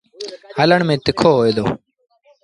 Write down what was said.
هلڻ ميݩ تکو هوئي دو۔